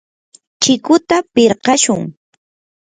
chikuta pirqashun.